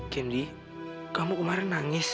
candy kamu kemarin nangis